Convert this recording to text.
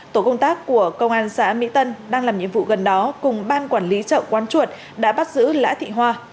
tổ công tác của công an xã mỹ tân đang làm nhiệm vụ gần đó cùng ban quản lý chợ quán chuột đã bắt giữ lã thị hoa